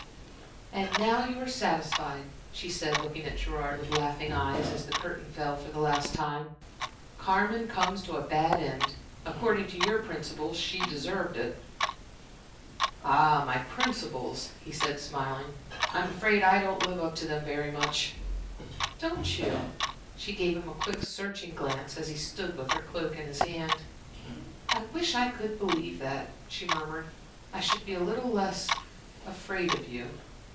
"And now you are satisfied," she said, looking at Gerard with laughing eyes, as the curtain fell for the last time. "Carmen comes to a bad end. According to your principles! she deserved it." "Ah, my principles!" he said, smiling. "I'm afraid I don't live up to them very much." "Don't you?" She gave him a quick, searching glance, as he stood with her cloak in his hand. "I wish I could believe that," she murmured. "I should be a little less afraid of you."